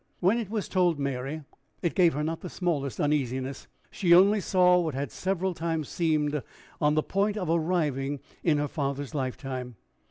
When it was told Mary, it gave her not the smallest uneasiness. She only saw what had several times seemed on the point of arriving in her father's lifetime.